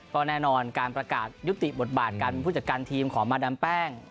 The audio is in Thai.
ก็แน่นอนการประกาศยุติบทบาทการเป็นผู้จัดการทีมของมาดามแป้ง